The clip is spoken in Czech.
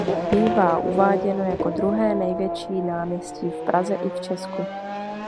Bývá uváděno jako druhé největší náměstí v Praze i v Česku.